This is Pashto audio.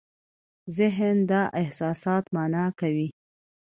ذهن دا احساسات مانا کوي.